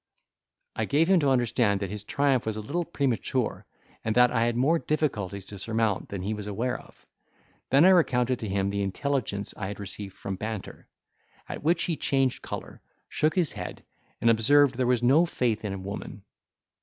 I gave him to understand that his triumph was a little premature, and that I had more difficulties to surmount than he was aware of; then I recounted to him the intelligence I had received from Banter. At which he changed colour, shook his head, and observed there was no faith in woman.